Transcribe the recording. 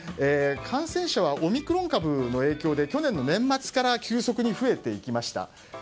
感染者はオミクロン株の影響で去年の年末から急速に増えていきました。